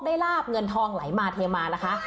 ลาบเงินทองไหลมาเทมานะคะ